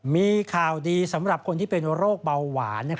มีข่าวดีสำหรับคนที่เป็นโรคเบาหวาน